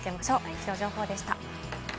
気象情報でした。